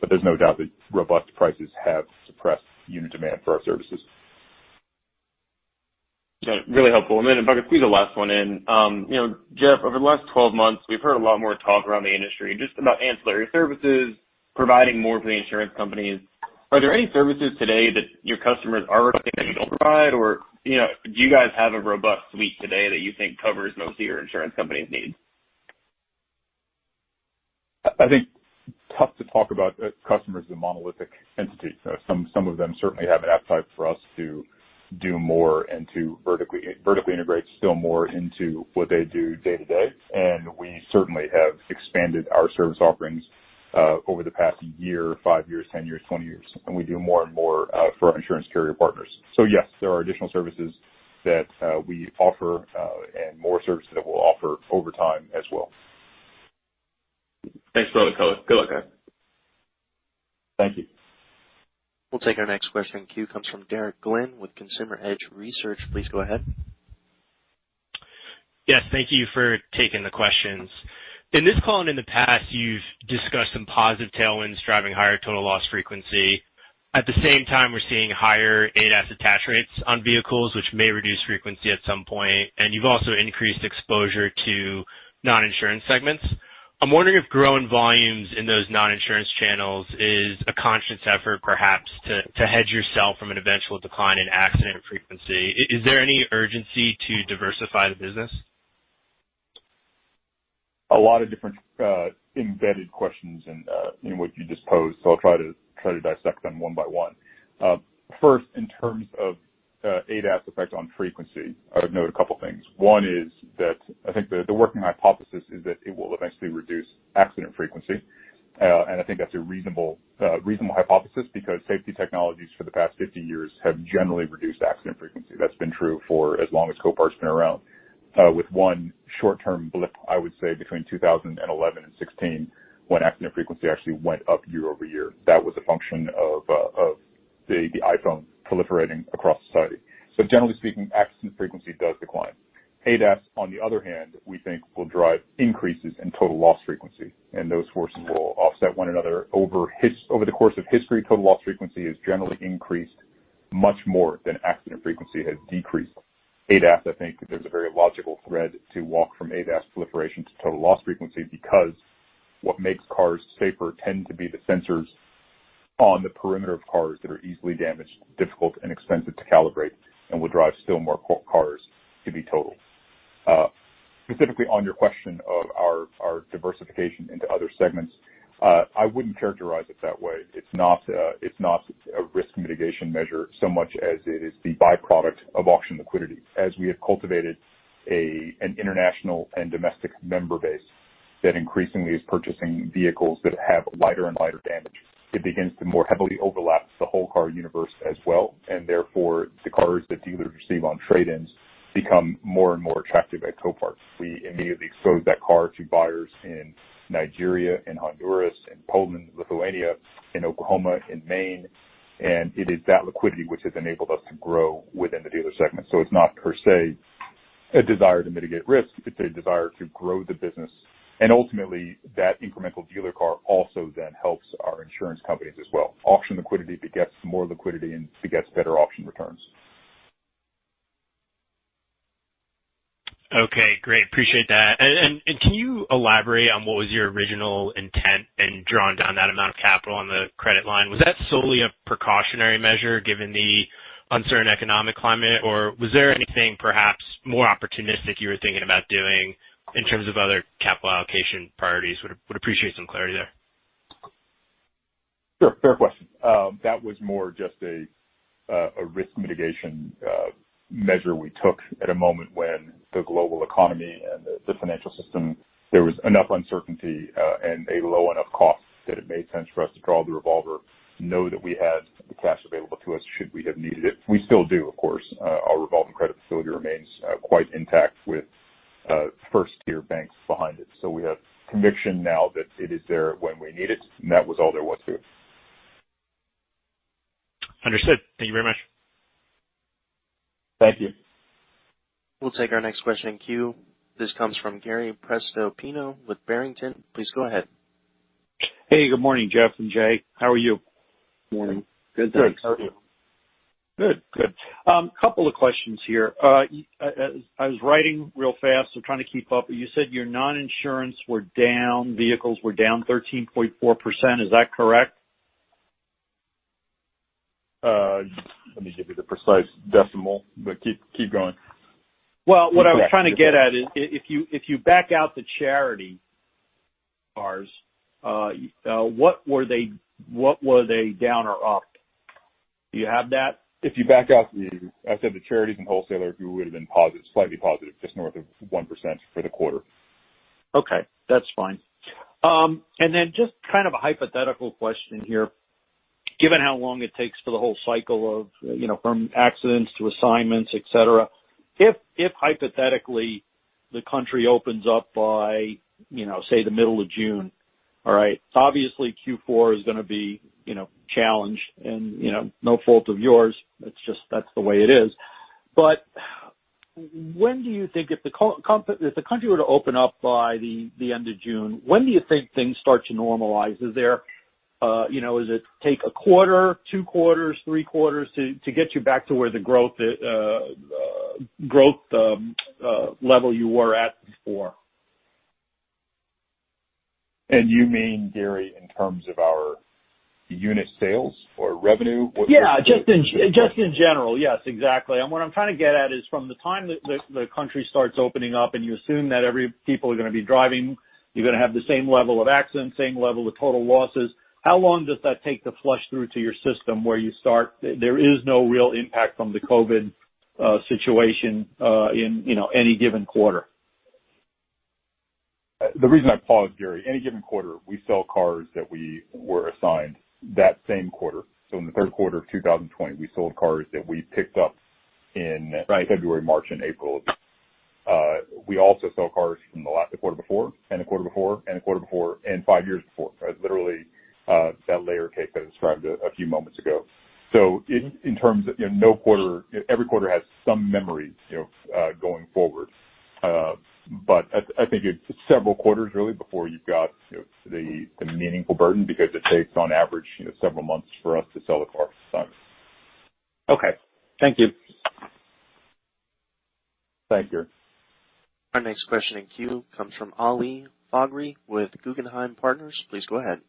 there's no doubt that robust prices have suppressed unit demand for our services. Got it. Really helpful. If I could squeeze a last one in. Jeff, over the last 12 months, we've heard a lot more talk around the industry just about ancillary services providing more for the insurance companies. Are there any services today that your customers are requesting that you don't provide? Or do you guys have a robust suite today that you think covers most of your insurance companies' needs? I think tough to talk about customers as a monolithic entity. Some of them certainly have an appetite for us to do more and to vertically integrate still more into what they do day to day. We certainly have expanded our service offerings over the past year, five years, 10 years, 20 years. We do more and more for our insurance carrier partners. Yes, there are additional services that we offer and more services that we'll offer over time as well. Thanks for all the color. Good luck, guys. Thank you. We'll take our next question. Cue comes from Derek Glynn with Consumer Edge Research. Please go ahead. Yes, thank you for taking the questions. In this call and in the past, you've discussed some positive tailwinds driving higher total loss frequency. At the same time, we're seeing higher ADAS attach rates on vehicles, which may reduce frequency at some point. you've also increased exposure to non-insurance segments. I'm wondering if growing volumes in those non-insurance channels is a conscious effort, perhaps to hedge yourself from an eventual decline in accident frequency. Is there any urgency to diversify the business? A lot of different embedded questions in what you just posed, so I'll try to dissect them one by one. First, in terms of ADAS effect on frequency, I would note a couple of things. One is that I think the working hypothesis is that it will eventually reduce accident frequency. I think that's a reasonable hypothesis because safety technologies for the past 50 years have generally reduced accident frequency. That's been true for as long as Copart's been around. With one short-term blip, I would say, between 2011 and 2016, when accident frequency actually went up year-over-year. That was a function of the iPhone proliferating across society. Generally speaking, accident frequency does decline. ADAS, on the other hand, we think will drive increases in total loss frequency, and those forces will offset one another. Over the course of history, total loss frequency has generally increased much more than accident frequency has decreased. ADAS, I think there's a very logical thread to walk from ADAS proliferation to total loss frequency because what makes cars safer tend to be the sensors on the perimeter of cars that are easily damaged, difficult and expensive to calibrate, and will drive still more cars to be totaled. Specifically on your question of our diversification into other segments, I wouldn't characterize it that way. It's not a risk mitigation measure so much as it is the byproduct of auction liquidity. As we have cultivated an international and domestic member base that increasingly is purchasing vehicles that have lighter and lighter damage, it begins to more heavily overlap the whole car universe as well. Therefore, the cars that dealers receive on trade-ins become more and more attractive at Copart. We immediately expose that car to buyers in Nigeria and Honduras and Poland, Lithuania, in Oklahoma, in Maine, and it is that liquidity which has enabled us to grow within the dealer segment. It's not per se a desire to mitigate risk. It's a desire to grow the business. Ultimately, that incremental dealer car also then helps our insurance companies as well. Auction liquidity begets more liquidity and begets better auction returns. Okay, great. Appreciate that. Can you elaborate on what was your original intent in drawing down that amount of capital on the credit line? Was that solely a precautionary measure given the uncertain economic climate, or was there anything perhaps more opportunistic you were thinking about doing in terms of other capital allocation priorities? Would appreciate some clarity there. Sure. Fair question. That was more just a risk mitigation measure we took at a moment when the global economy and the financial system, there was enough uncertainty and a low enough cost that it made sense for us to draw the revolver, know that we had the cash available to us should we have needed it. We still do, of course. Our revolving credit facility remains quite intact with first-tier banks behind it. We have conviction now that it is there when we need it, and that was all there was to it. Understood. Thank you very much. Thank you. We'll take our next question in queue. This comes from Gary Prestopino with Barrington. Please go ahead. Hey, good morning, Jeff and Jay. How are you? Morning. Good, thanks. How are you? Good. Couple of questions here. I was writing real fast, so trying to keep up. You said your non-insurance were down, vehicles were down 13.4%, is that correct? Let me give you the precise decimal, but keep going. Well, what I was trying to get at is if you back out the charity cars, what were they down or up? Do you have that? If you back out, I said the charities and wholesalers, we would've been slightly positive, just north of 1% for the quarter. Okay, that's fine. just kind of a hypothetical question here. Given how long it takes for the whole cycle of from accidents to assignments, et cetera, if hypothetically the country opens up by, say, the middle of June, all right? Obviously Q4 is going to be challenged and no fault of yours, that's the way it is. when do you think if the country were to open up by the end of June, when do you think things start to normalize? Does it take a quarter, two quarters, three quarters to get you back to where the growth level you were at before? you mean, Gary, in terms of our unit sales or revenue? What- Yeah, just in general. Yes, exactly. What I'm trying to get at is from the time that the country starts opening up and you assume that every people are going to be driving, you're going to have the same level of accidents, same level of total losses. How long does that take to flush through to your system where you start? There is no real impact from the COVID situation in any given quarter. The reason I pause, Gary, any given quarter, we sell cars that we were assigned that same quarter. In the third quarter of 2020, we sold cars that we picked up in February, March and April. We also sell cars from the quarter before, and the quarter before, and the quarter before, and five years before. Literally that layer cake I described a few moments ago. Every quarter has some memory going forward. I think it's several quarters really before you've got the meaningful burden because it takes on average several months for us to sell a car. Okay. Thank you. Thank you. Our next question in queue comes from Ali Faghri with Guggenheim Partners. Please go ahead.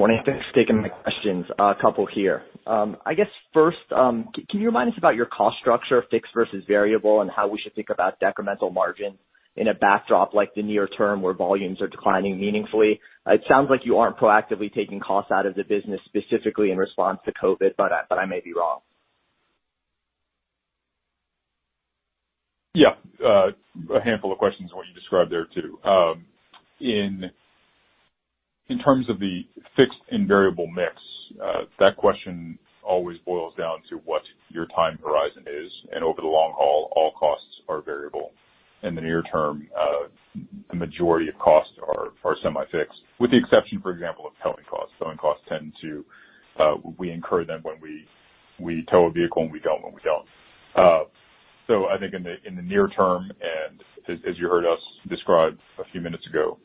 Morning. Thanks for taking my questions, a couple here. I guess first, can you remind us about your cost structure, fixed versus variable, and how we should think about decremental margin in a backdrop like the near term where volumes are declining meaningfully? It sounds like you aren't proactively taking costs out of the business specifically in response to COVID, but I may be wrong. Yeah. A handful of questions in what you described there, too. In terms of the fixed and variable mix, that question always boils down to what your time horizon is, and over the long haul, all costs are variable. In the near term, the majority of costs are semi-fixed with the exception, for example, of towing costs. Towing costs, we incur them when we tow a vehicle, and we don't when we don't. I think in the near term, and as you heard us describe a few minutes ago,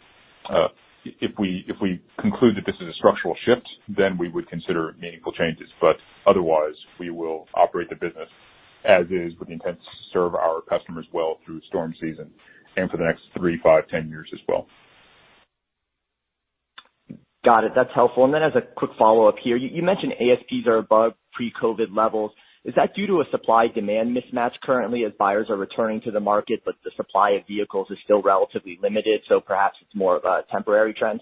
if we conclude that this is a structural shift, then we would consider meaningful changes. Otherwise, we will operate the business as is with the intent to serve our customers well through storm season and for the next three, five, 10 years as well. Got it. That's helpful. As a quick follow-up here, you mentioned ASPs are above pre-COVID levels. Is that due to a supply-demand mismatch currently as buyers are returning to the market, but the supply of vehicles is still relatively limited, so perhaps it's more of a temporary trend?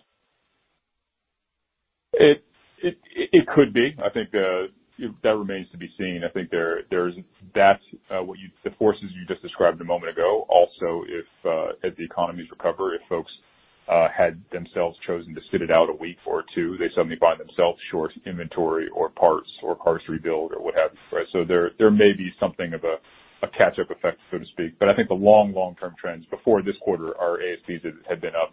It could be. I think that remains to be seen. I think that's the forces you just described a moment ago. Also if the economies recover, if folks had themselves chosen to sit it out a week or two, they suddenly find themselves short inventory or parts or cars to rebuild or what have you, right? There may be something of a catch-up effect, so to speak. I think the long, long-term trends before this quarter, our ASPs had been up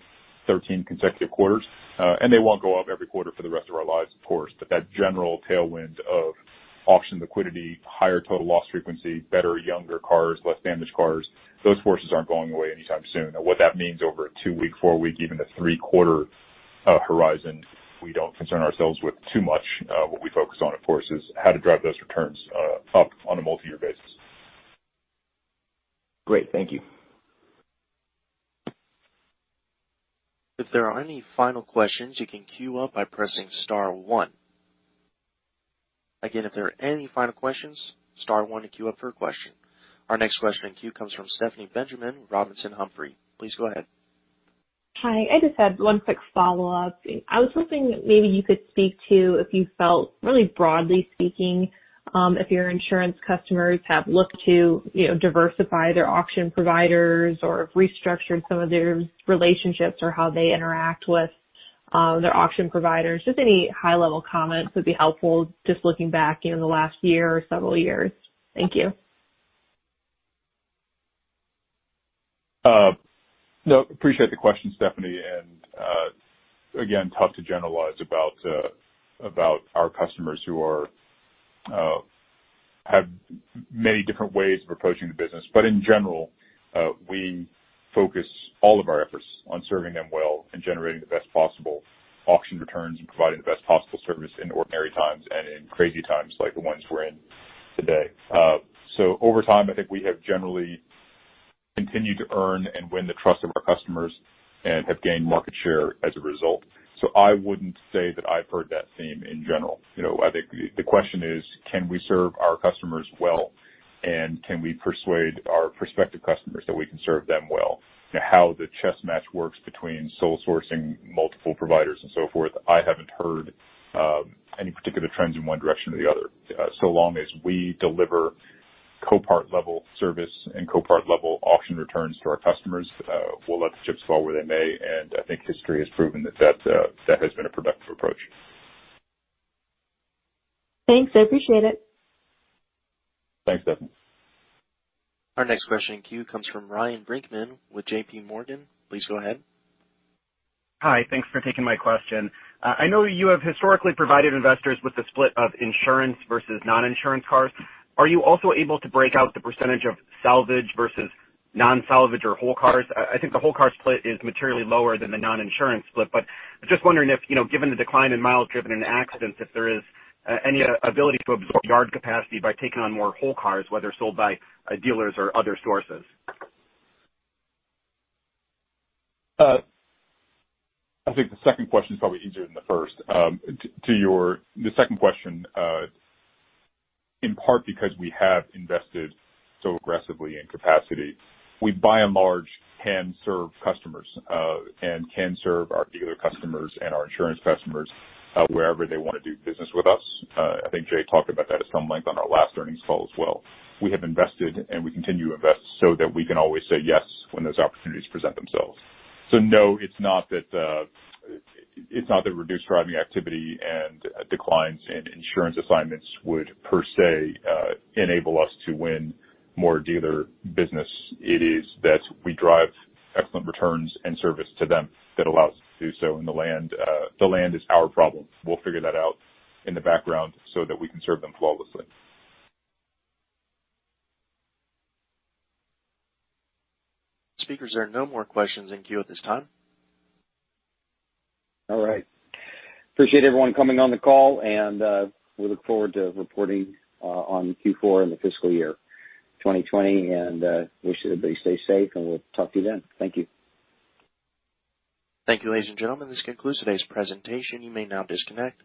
13 consecutive quarters. They won't go up every quarter for the rest of our lives, of course. That general tailwind of auction liquidity, higher total loss frequency, better, younger cars, less damaged cars, those forces aren't going away anytime soon. What that means over a two-week, four-week, even a three-quarter horizon we don't concern ourselves with too much. What we focus on, of course, is how to drive those returns up on a multi-year basis. Great. Thank you. If there are any final questions, you can queue up by pressing star one. Again, if there are any final questions, star one to queue up for a question. Our next question in queue comes from Stephanie Benjamin, Robinson Humphrey. Please go ahead. Hi. I just had one quick follow-up. I was hoping maybe you could speak to if you felt really broadly speaking, if your insurance customers have looked to diversify their auction providers or have restructured some of their relationships or how they interact with their auction providers. Just any high level comments would be helpful, just looking back in the last year or several years. Thank you. Appreciate the question, Stephanie, and, again, tough to generalize about our customers who have many different ways of approaching the business. In general, we focus all of our efforts on serving them well and generating the best possible auction returns and providing the best possible service in ordinary times and in crazy times like the ones we're in today. Over time, I think we have generally continued to earn and win the trust of our customers and have gained market share as a result. I wouldn't say that I've heard that theme in general. I think the question is, can we serve our customers well, and can we persuade our prospective customers that we can serve them well? How the chess match works between sole sourcing multiple providers and so forth, I haven't heard any particular trends in one direction or the other. Long as we deliver Copart level service and Copart level auction returns to our customers, we'll let the chips fall where they may, and I think history has proven that has been a productive approach. Thanks. I appreciate it. Thanks, Stephanie. Our next question in queue comes from Ryan Brinkman with J.P. Morgan. Please go ahead. Hi. Thanks for taking my question. I know you have historically provided investors with a split of insurance versus non-insurance cars. Are you also able to break out the percentage of salvage versus non-salvage or whole cars? I think the whole car split is materially lower than the non-insurance split, but just wondering if given the decline in miles driven in accidents, if there is any ability to absorb yard capacity by taking on more whole cars, whether sold by dealers or other sources. I think the second question is probably easier than the first. To the second question, in part because we have invested so aggressively in capacity, we by and large can serve customers and can serve our dealer customers and our insurance customers wherever they want to do business with us. I think Jay talked about that at some length on our last earnings call as well. We have invested, and we continue to invest so that we can always say yes when those opportunities present themselves. No, it's not that reduced driving activity and declines in insurance assignments would per se enable us to win more dealer business. It is that we drive excellent returns and service to them that allows us to do so, and the land is our problem. We'll figure that out in the background so that we can serve them flawlessly. Speakers, there are no more questions in queue at this time. All right. Appreciate everyone coming on the call, and we look forward to reporting on Q4 and the fiscal year 2020, and wish everybody stay safe, and we'll talk to you then. Thank you. Thank you, ladies and gentlemen. This concludes today's presentation. You may now disconnect.